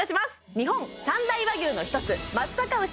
日本三大和牛の一つ松阪牛